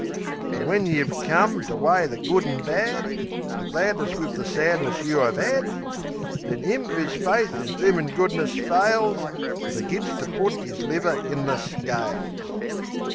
Fer when yeh've come to weigh the good an' bad The gladness wiv the sadness you 'ave 'ad Then 'im 'oo's faith in 'uman goodness fails Fergits to put 'is liver in the scales.